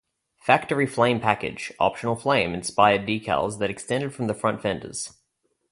Factory Flame package - Optional flame-inspired decals that extended from the front fenders.